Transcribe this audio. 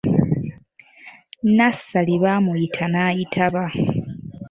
Nassali b'amuyita n'ayitaba.